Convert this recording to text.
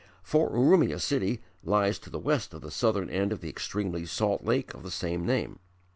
For Urumia city lies to the west of the southern end of the extremely salt lake of the same name.